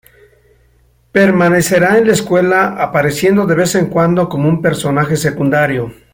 Permanecerá en la escuela apareciendo de vez en cuando como un personaje secundario.